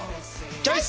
チョイス！